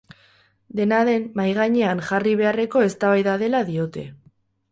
Dena den, mahai gainean jarri beharreko eztabaida dela diote.